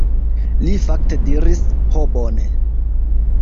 Li fakte diris: "Ho, bone."